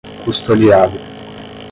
custodiado